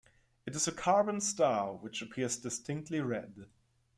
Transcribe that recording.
It is a carbon star which appears distinctly red.